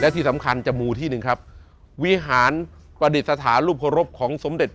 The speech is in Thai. และที่สำคัญจะมูลที่หนึ่งครับวิหารปฏิเสธรุปรบของสมเด